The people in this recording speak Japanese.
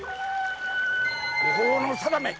法の定め。